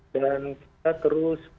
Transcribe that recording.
dan kita terus